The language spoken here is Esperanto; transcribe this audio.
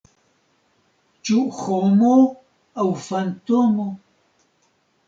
Ĉu homo aŭ fantomo?